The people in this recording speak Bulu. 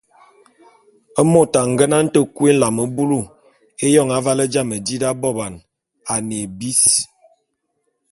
Môt a ngenane te kui nlam bulu éyôn aval jame di d’aboban, a ne ébis.